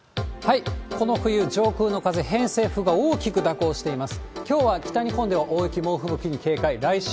この冬、上空の風、偏西風が大きく蛇行しています。